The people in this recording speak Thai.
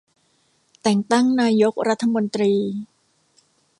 แต่งตั้งนายกรัฐมนตรี